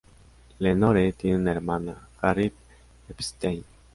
Lenore tiene una hermana, Harriet Epstein.